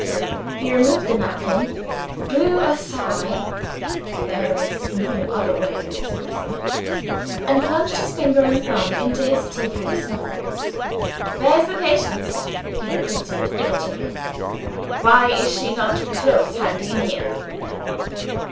He removed the napkin, blew a sigh (there is no other way of expressing it) and plunged his finger and thumb into his tea caddy snuff box. "Where is the patients?" he repeated irritably. "Why is she not close handy in here?"